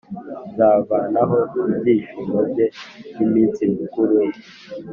Nzavanaho ibyishimo bye n’iminsi mikuru ye,